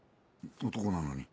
男なのに。